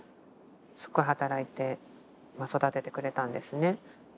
すっごい働いて育ててくれたんですね。